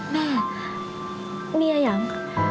แม่มีอาหยัง